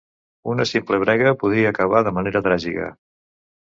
Una simple brega podia acabar de manera tràgica.